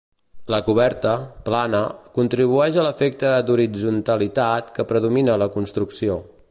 La coberta, plana, contribueix a l'efecte d'horitzontalitat que predomina a la construcció.